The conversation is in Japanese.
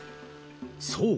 そう。